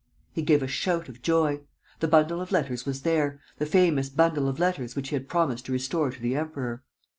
He gave a shout of joy: the bundle of letters was there, the famous bundle of letters which he had promised to restore to the Emperor.